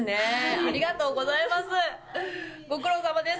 ありがとうございます。